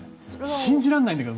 信じられないんだけど。